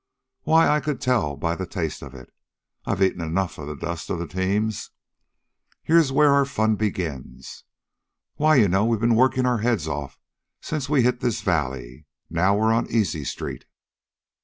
Why, I could tell by the taste of it. I've eaten enough of the dust of the teams. Here's where our fun begins. Why, you know we've been workin' our heads off since we hit this valley. Now we're on Easy street."